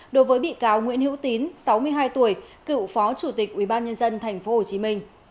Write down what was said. đối với bị cáo nguyễn hữu tín sáu mươi hai tuổi cựu phó chủ tịch ubnd tp hcm